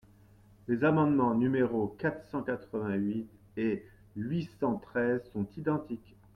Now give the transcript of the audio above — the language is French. Les amendements numéros quatre cent quatre-vingt-huit et huit cent treize sont identiques.